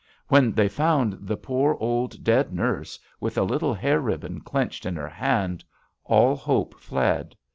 When they found the poor, old, dead nurse, with a little hair ribbon clenched in her hand, all hope fled.